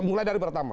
mulai dari pertama